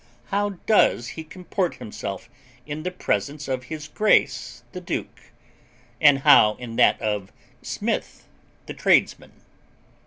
How does he comport himself in the presence of His Grace the Duke; and how in that of Smith the tradesman?